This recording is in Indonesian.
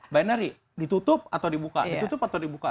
binary ditutup atau dibuka